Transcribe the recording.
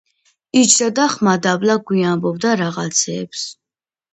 იჯდა და ხმადაბლა გვიამბობდა რაღაცეებს